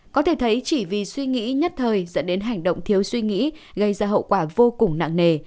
có thể thấy chỉ vì suy nghĩ nhất thời dẫn đến hành động thiếu suy nghĩ gây ra hậu quả vô cùng nặng nề